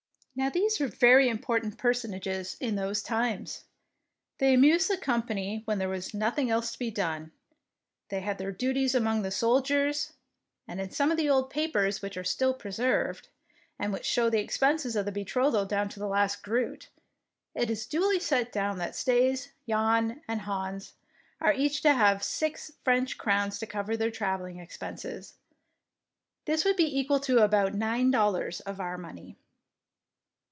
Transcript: Now these were very important per sonages in those times, — they amused the company when there was nothing 56 THE PEINCESS WINS else to be done, they had their duties among the soldiers ; and in some of the old papers which are still preserved, and which show the expenses of this betrothal down to the last groot, it is duly set down that Staes, Jan, and Hans are each to have six French crowns to cover their travelling ex penses. This would be equal to about nine dollars of our money.